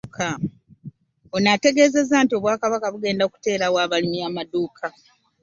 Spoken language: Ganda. Ono ategeezezza nti Obwakabaka bugenda kuteerawo abalimi amadduka